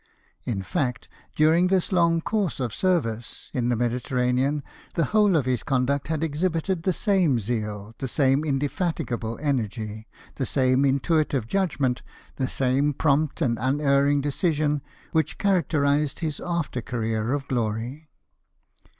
In fact, during this long course of services, in the Mediterranean the whole of his conduct had ex SAILS FOR GIBRALTAR. 103 hibited the same zeal, the same indefatigable^ energy, the same intuitive judgment, the same prompt and unerring decision, which characterised his after career of glory.